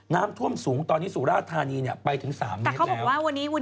น้ำท่วมสูงตอนนี้สุราธานีไปถึง๓เมตรแล้ว